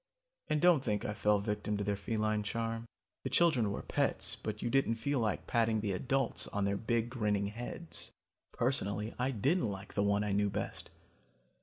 "And don't think I fell victim to their feline charm. The children were pets, but you didn't feel like patting the adults on their big grinning heads. Personally I didn't like the one I knew best.